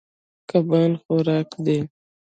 کبان خوراک دي.